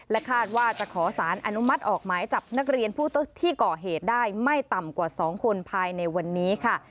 คาดว่าจะขอสารอนุมัติออกหมายจับนักเรียนผู้ที่ก่อเหตุได้ไม่ต่ำกว่า๒คนภายในวันนี้ค่ะ